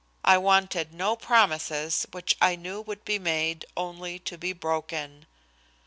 I wanted no promises which I knew would be made only to be broken.